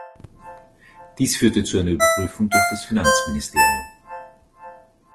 Dies führte zu einer Überprüfung durch das Finanzministerium.